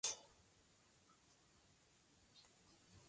Los Magic fracasaron en entrar en playoffs.